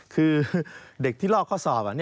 คือเด็กที่ลอกข้อสอบ